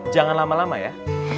jangan lama lama ya